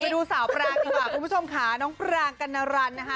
ดูสาวปรางดีกว่าคุณผู้ชมค่ะน้องปรางกัณรันนะคะ